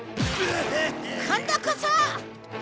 今度こそ！